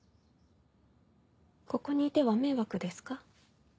ここにいては迷惑ですか？